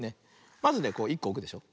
まずね１こおくでしょ。